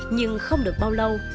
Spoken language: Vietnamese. nhưng không được bao lâu